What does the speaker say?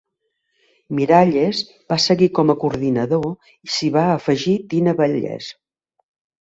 Miralles va seguir com a coordinador i s'hi va afegir Tina Vallès.